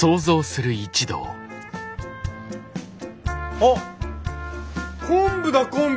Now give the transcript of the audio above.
あっ昆布だ昆布。